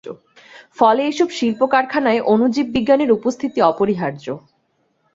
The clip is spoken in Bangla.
ফলে এই সব শিল্প-কারখানায় অণুজীব বিজ্ঞানীর উপস্থিতি অপরিহার্য।